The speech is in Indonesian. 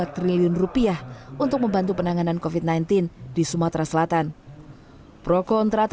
triliun rupiah untuk membantu penanganan covid sembilan belas di sumatera selatan prokontra